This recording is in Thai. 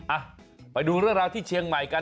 อ่ะไปดูเรื่องราวที่เชียงใหม่กัน